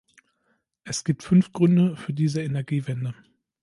Es gibt fünf Gründe für diese Energiewende.